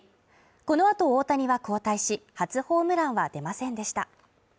このあと大谷は交代し、初ホームランは出ませんでした。